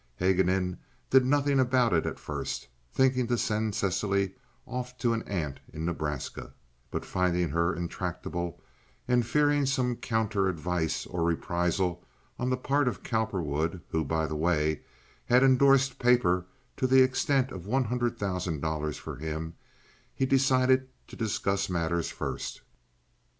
Haguenin did nothing about it at first, thinking to send Cecily off to an aunt in Nebraska; but, finding her intractable, and fearing some counter advice or reprisal on the part of Cowperwood, who, by the way, had indorsed paper to the extent of one hundred thousand dollars for him, he decided to discuss matters first.